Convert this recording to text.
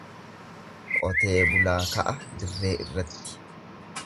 Qotee bulaa ka'a dirree irratti.